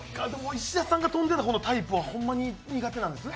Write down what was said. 石田さんが飛んでたタイプはほんまに苦手なんです。